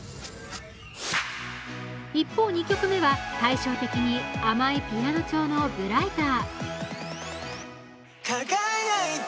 一方、２曲目は対照的に甘いピアノ調の「Ｂｒｉｇｈｔｅｒ」。